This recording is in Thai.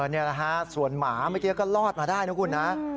นี่แหละฮะส่วนหมาเมื่อกี้ก็รอดมาได้นะคุณนะ